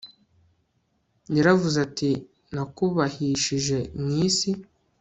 yaravuze ati nakubahishije mu isi